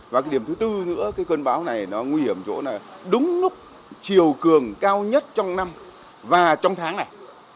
và cái điểm thứ tư nữa cơn bão này nguy hiểm chỗ là đúng nút chiều cường cao nhất trong năm và trong tháng này